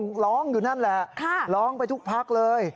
ร้องอยู่นั่นแหละร้องไปทุกพักเลย